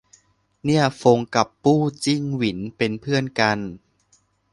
เนี่ยฟงกับปู้จิ้งหวินเป็นเพื่อนกัน